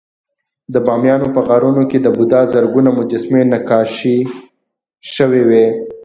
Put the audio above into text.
د بامیانو په غارونو کې د بودا زرګونه مجسمې نقاشي شوې وې